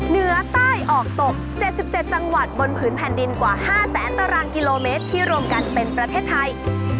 เหนือใต้ออกตก๗๗จังหวัดบนผืนแผ่นดินกว่า๕แสนตารางกิโลเมตรที่รวมกันเป็นประเทศไทย